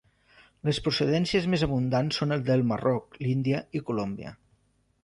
Les procedències més abundants són del Marroc, l'Índia i Colòmbia.